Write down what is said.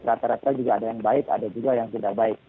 rata rata juga ada yang baik ada juga yang tidak baik